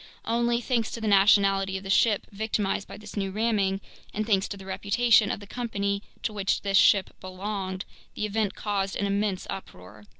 Only, thanks to the nationality of the ship victimized by this new ramming, and thanks to the reputation of the company to which this ship belonged, the event caused an immense uproar.